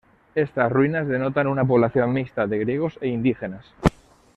Estas ruinas denotan una población mixta de griegos e indígenas.